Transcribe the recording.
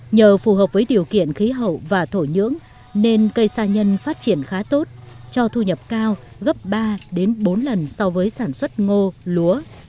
nhờ phù hợp với điều kiện khí hậu và thổ nhưỡng nên cây sa nhân phát triển khá tốt cho thu nhập cao gấp ba bốn lần so với sản xuất ngô lúa